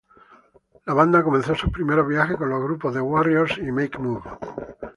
La banda comenzó sus primeros viajes con los grupos The Warriors y Make Move.